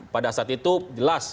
pada saat itu jelas